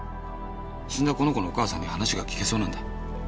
死んだこの子のお母さんに話が聞けそうなんだ。